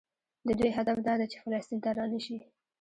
د دوی هدف دا دی چې فلسطین ته رانشي.